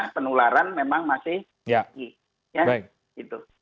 penularan memang masih tinggi